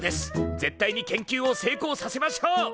絶対に研究をせいこうさせましょう！